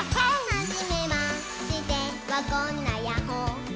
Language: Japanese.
「はじめましてはこんなやっほ」や、やっほ。